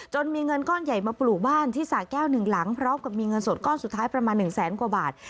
มีเงินก้อนใหญ่มาปลูกบ้านที่สาแก้วหนึ่งหลังพร้อมกับมีเงินสดก้อนสุดท้ายประมาณ๑แสนกว่าบาท